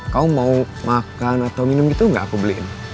kamu mau makan atau minum gitu gak aku beliin